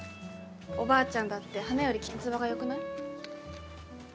おばあちゃんだって花よりきんつばがよくない？